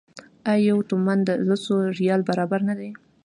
آیا یو تومان د لسو ریالو برابر نه دی؟